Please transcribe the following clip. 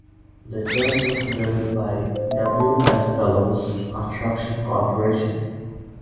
The church was built by W. S. Bellows Construction Corporation.